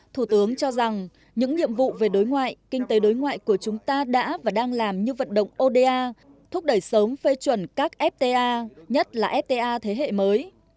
thủ tướng cho rằng những nhiệm vụ về đối ngoại kinh tế đối ngoại của chúng ta đã và đang làm như vận động oda thúc đẩy sớm phê chuẩn các fta nhất là fta thế hệ mới